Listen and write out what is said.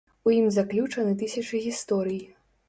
У ім заключаны тысячы гісторый.